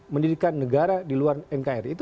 mendirikan negara di luar nkri itu